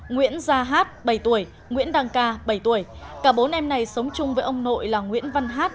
nguyễn gia hát bảy tuổi nguyễn đăng ca bảy tuổi cả bốn em này sống chung với ông nội là nguyễn văn hát